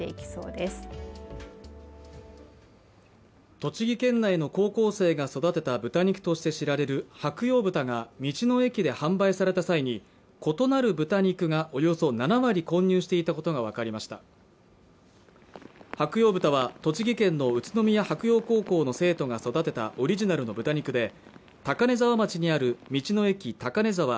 栃木県内の高校生が育てた豚肉として知られる白楊豚が道の駅で販売された際に異なる豚肉がおよそ７割混入していたことが分かりました白楊豚は栃木県の宇都宮白楊高校の生徒が育てたオリジナルの豚肉で高根沢町にある道の駅たかねざわ